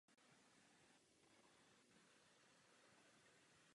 Zamrzá na konci října a rozmrzá uprostřed dubna.